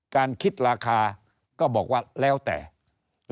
การคิดราคาก็บอกว่าแล้วแต่แล้วแต่ลวดลาย